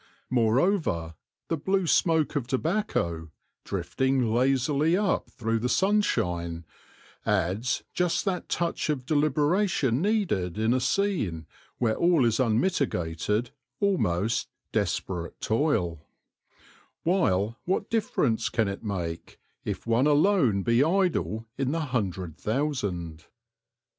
More over, the blue smoke of tobacco, drifting lazily up through the sunshine, adds just that touch of delibera tion needed in a scene where all is unmitigated, almost desperate toil; while what difference can it make if one alone be idle in the hundred thousand